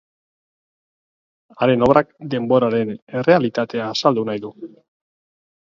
Haren obrak denboraren errealitatea azaldu nahi du.